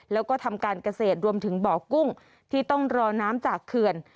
แล้วก็ทำการเกษตรรวมถึงบ่อกุ้งที่ต้องรอน้ำจากเขื่อน